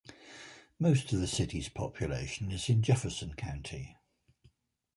Most of the city's population is in Jefferson County.